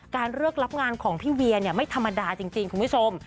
การเลือกรับงานของพี่เวียไม่ธรรมดาจริงคุณผู้ชม